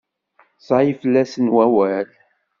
Ẓẓay fell-asen wawal.